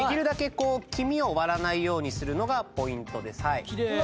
こう黄身を割らないようにするのがポイントです。